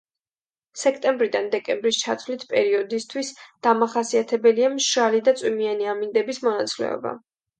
სექტემბრიდან დეკემბრის ჩათვლით პერიოდისთვის დამახასიათებელია მშრალი და წვიმიანი ამინდების მონაცვლეობა.